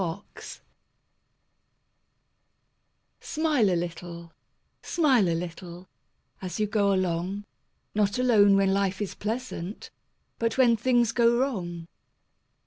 SMILES Smile a little, smile a little, As you go along, Not alone when life is pleasant, But when things go wrong.